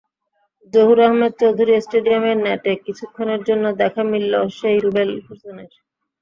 জহুর আহমেদ চৌধুরী স্টেডিয়ামের নেটে কিছুক্ষণের জন্য দেখা মিলল সেই রুবেল হোসেনের।